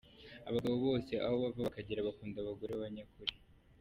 Abagabo bose aho bava bakagera bakunda abagore b’abanyakuri.